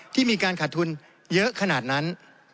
ที่มีการขาดทุนเยอะขนาดนั้น